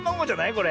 これ。